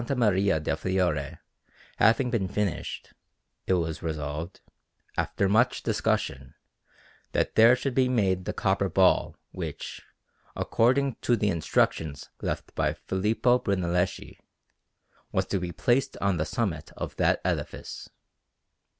Maria del Fiore having been finished, it was resolved, after much discussion, that there should be made the copper ball which, according to the instructions left by Filippo Brunelleschi, was to be placed on the summit of that edifice.